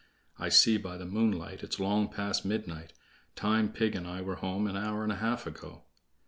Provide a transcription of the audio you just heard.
I see by the moonlight It's long past midnight; Time pig and I were home an hour and a half ago."